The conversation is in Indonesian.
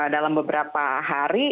dalam beberapa hari